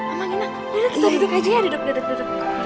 amang inang duduk kita duduk aja ya duduk duduk duduk